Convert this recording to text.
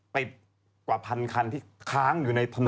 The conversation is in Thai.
กว่าพันคันที่ค้างอยู่ในถนน